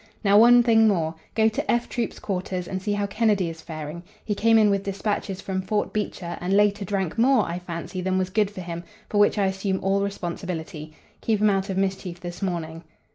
"Now, one thing more. Go to 'F' Troop's quarters and see how Kennedy is faring. He came in with despatches from Fort Beecher, and later drank more, I fancy, than was good for him, for which I assume all responsibility. Keep him out of mischief this morning."